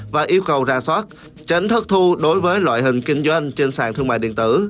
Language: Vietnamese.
và yêu cầu ra soát tránh thất thu đối với loại hình kinh doanh trên sàn thương mại điện tử